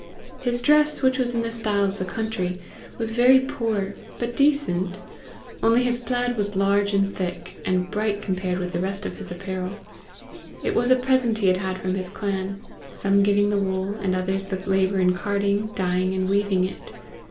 His dress, which was in the style of the country, was very poor, but decent; only his plaid was large and thick, and bright compared with the rest of his apparel: it was a present he had had from his clan some giving the wool, and others the labour in carding, dyeing, and weaving it.